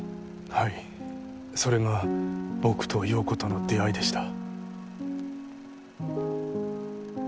はいそれが僕と葉子との出会いでした。